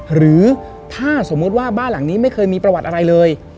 หรือถ้าสมมุติว่าบ้านหลังนี้ไม่เคยมีประวัติอะไรเลย